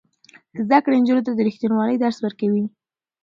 زده کړه نجونو ته د ریښتینولۍ درس ورکوي.